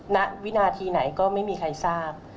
ณวินาทีไหนก็ไม่มีใครทราบ